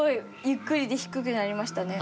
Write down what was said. ゆっくりで低くなりましたね。